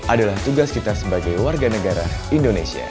adalah tugas kita sebagai warga negara indonesia